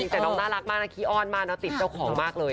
นิ้วน้องน่ารักมากคีอ้อนมาติดเจ้าของมากเลย